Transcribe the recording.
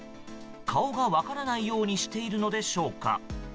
顔が分からないようにしているのでしょうか。